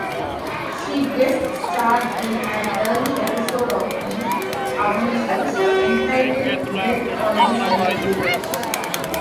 She guest-starred in an early episode of "The Avengers" entitled "Death on The Slipway".